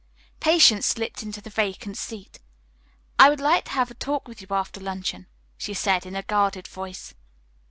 Patience slipped into the vacant seat. "I would like to have a talk with you after luncheon," she said in a guarded voice.